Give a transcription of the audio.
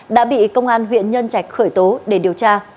đã bị công an huyện nhân trạch khởi tố để điều tra